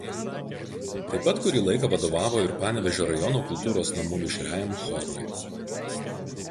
Taip pat kurį laiką vadovavo ir Panevėžio rajono kultūros namų mišriajam chorui.